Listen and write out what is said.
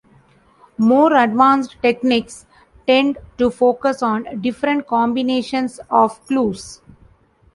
More advanced techniques tend to focus on different combinations of clues.